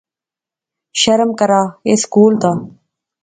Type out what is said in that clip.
شرم کرا، ایہہ سکول دا